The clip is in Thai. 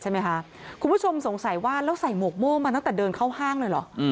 ที่มันก็ว่าใส่หมวกโม่งตั้งแต่เดินเข้าห้างเลยเหรอ